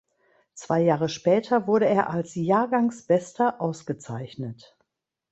Zwei Jahre später wurde er als „Jahrgangsbester“ ausgezeichnet.